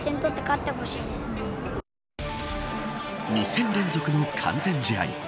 ２戦連続の完全試合。